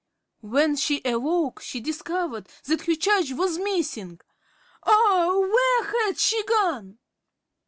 When she awoke, she discovered that her charge was missing. Ah! where had she gone?